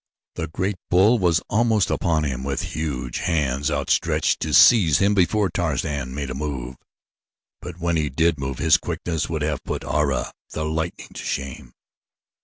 The great bull was almost upon him with huge hands outstretched to seize him before Tarzan made a move, but when he did move his quickness would have put Ara, the lightning, to shame.